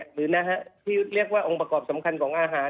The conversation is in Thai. หรือนะฮะที่เรียกว่าองค์ประกอบสำคัญของอาหาร